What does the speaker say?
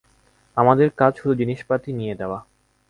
আমাদের কাজ শুধু জিনিসপাতি নিয়ে দেয়া।